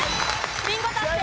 ビンゴ達成